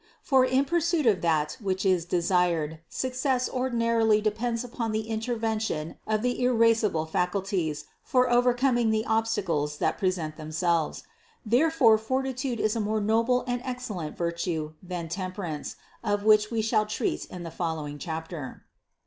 For in the pursuit of that which is desired, success ordinarily depends upon the intervention of the irascible faculties for overcoming the obstacles that present them selves. Therefore fortitude is a more noble and excellent virtue than temperance, of which we shall treat in the following chapter.